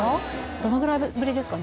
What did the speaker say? どのぐらいぶりですか？